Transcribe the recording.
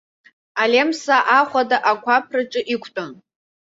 Алемсаа ахәада акәаԥраҿы иқәтәан.